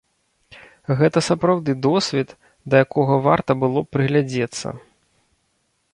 Гэта сапраўды досвед, да якога варта было б прыглядзецца.